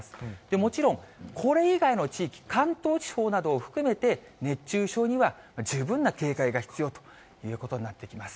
もちろん、これ以外の地域、関東地方などを含めて、熱中症には十分な警戒が必要ということになってきます。